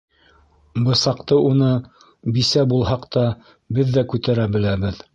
- Бысаҡты уны, бисә булһаҡ та, беҙ ҙә күтәрә беләбеҙ!